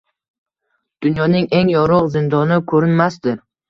Dunyoning eng yorug’ zindoni ko’rinmasdi.